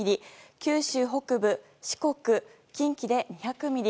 九州北部、四国、近畿で２００ミリ